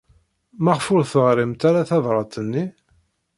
Maɣef ur teɣrimt ara tabṛat-nni?